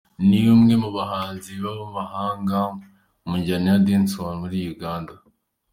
Ni umwe mu bahanzi b’abahanga mu njyana ya Dancehall muri Uganda.